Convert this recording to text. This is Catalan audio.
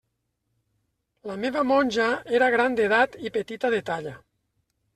La meva monja era gran d'edat i petita de talla.